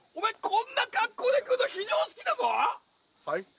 こんな格好で来んの非常識だぞはい？